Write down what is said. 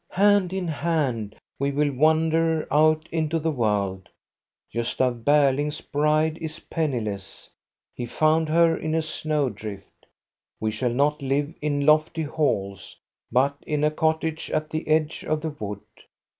Hand in hand we will wander out into the world. Gosta Berling's bride is penniless; he found her in a snow drift. We shall not live in lofty halls, but in a cottage at the edge of the wood.